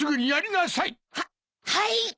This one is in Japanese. はっはい！